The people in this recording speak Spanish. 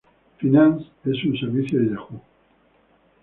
Finance es un servicio de Yahoo!